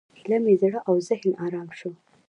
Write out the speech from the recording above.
ایله مې زړه او ذهن ارامه شول.